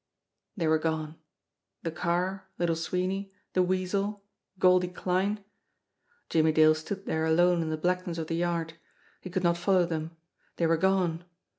They were gone the car, Little Sweeney, the Weasel, Goldie Kline ! Jimmie Dale stood there alone in the blackness of the yard. He could not follow them. They were gone.